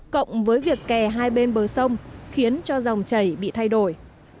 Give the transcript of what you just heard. cộng với việc kè hai bên bờ sông khiến cho dòng chảy bị thay đổi